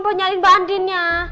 buat nyari mbak andinnya